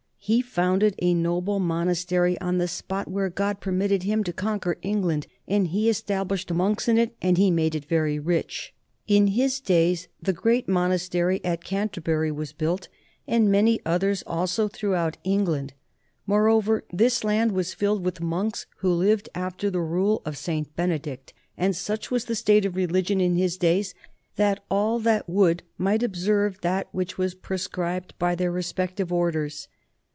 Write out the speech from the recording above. He founded a noble monastery on the spot where God permitted him to conquer England, and he established monks in it, and he made it very rich. In his days the great monastery at Canterbury was built, and many others also throughout England; moreover this land was filled with monks who lived after the rule of St. Benedict; and such was the state of religion in his days that all that would might observe that which was prescribed by their respective orders.